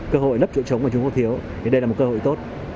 cơ hội nấp chỗ trống mà trung quốc thiếu thì đây là một cơ hội tốt